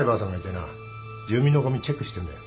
住民のごみチェックしてんだよ。